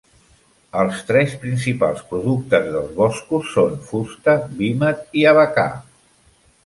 Els tres principals productes dels boscos són fusta, vímet i abacà.